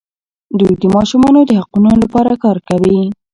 دوی د ماشومانو د حقونو لپاره کار کوي.